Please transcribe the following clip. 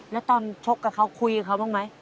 แล้วตอนชกกับเขาคุยกับเขาบ้างไหม